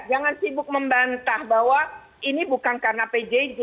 jangan sibuk membantah bahwa ini bukan karena pjj